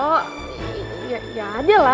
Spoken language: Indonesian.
ya ya aja lah